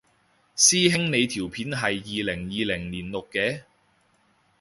師兄你條片係二零二零年錄嘅？